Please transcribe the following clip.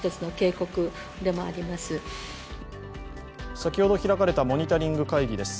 先ほど開かれたモニタリング会議です。